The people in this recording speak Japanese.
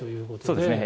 そうですね。